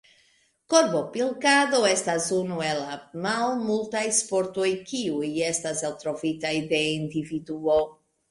Korbopilkado estas unu el la malmultaj sportoj, kiuj estis eltrovitaj de individuo.